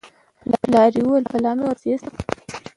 پلار یې وویل: بلا مې ورپسې شه